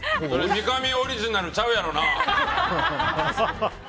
三上オリジナルちゃうやろうな。